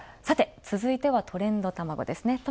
さて続いてはトレンドたまごですね。